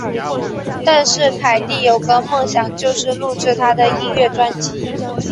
但是凯蒂有个梦想就是录制她的音乐专辑。